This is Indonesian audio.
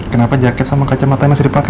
kenapa jaket sama kaca mata masih dipake